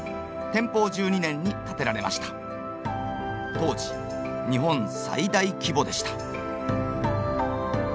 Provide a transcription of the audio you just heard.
当時日本最大規模でした。